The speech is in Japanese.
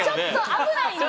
危ないんで。